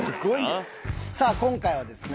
さあ今回はですね